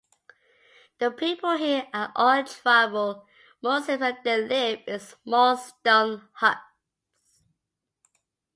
The people here are all tribal Muslims and they live in small stone huts.